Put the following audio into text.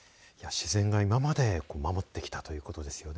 自然が今まで守ってきたということですよね。